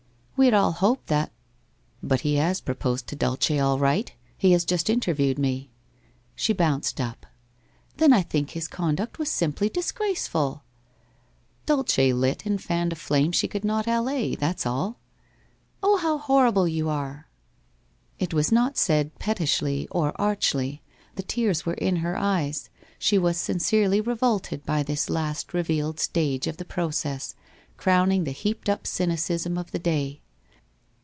We had all hoped that '' But he has proposed for Dulce all right. He has just interviewed me.' She bounced up. ' Then I think his conduct was simply disgraceful !'' Dulce lit and fanned a flame she could not allay — that's all.' ' Oh. how horrible you are !' WHITE ROSE OF WEARY LEAF 101 It was not said pettishly or archly. The tears were in her e}'es; she was sincerely revolted by this last revealed stage of the process, crowning the heaped up cynicism of the day.